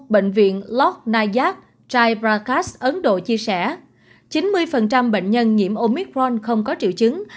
bệnh viện lok nayak chai prakash ấn độ chia sẻ chín mươi bệnh nhân nhiễm omicron không có triệu chứng